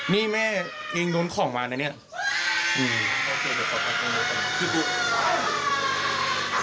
นี่แม่เองโดนของมานะเนี่ย